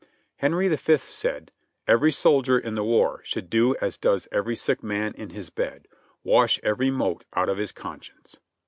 Henry the Fifth said : "Every soldier in the war should do as does every sick man in his bed, wash every mote out of his conscience."